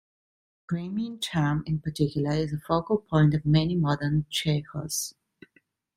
The Dramyin Cham in particular is a focal point of many modern tsechus.